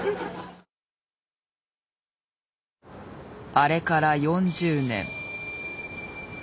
あれから４０年。